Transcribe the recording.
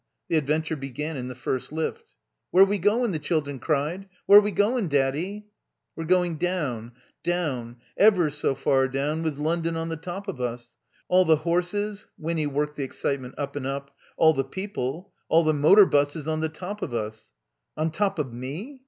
The adventure began in the first lift. Where we 'goin'?" the children cried. "Where we goin', Daddy?" "We're going down — down — ever so far down, with London on the top of us — ^All the horses" — Winny worked the excitement up and up — "All the people — All the motor buses on the top of us —" "On top of me?"